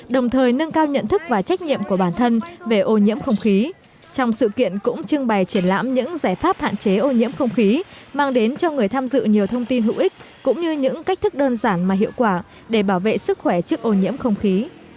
đồng thời nâng cao nhận thức và trách nhiệm của bản thân về ô nhiễm không khí trong sự kiện cũng trưng bày triển lãm những giải pháp hạn chế ô nhiễm không khí mang đến cho người tham dự nhiều thông tin hữu ích cũng như những cách thức đơn giản mà hiệu quả để bảo vệ sức khỏe trước ô nhiễm không khí